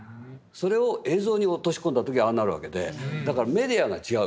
それを映像に落とし込んだ時ああなるわけでだからメディアが違う。